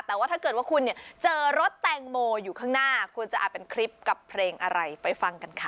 แต่ว่าถ้าเกิดว่าคุณเนี่ยเจอรถแตงโมอยู่ข้างหน้าควรจะอาจเป็นคลิปกับเพลงอะไรไปฟังกันค่ะ